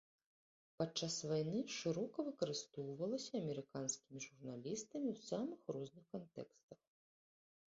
Падчас вайны шырока выкарыстоўвалася амерыканскімі журналістамі ў самых розных кантэкстах.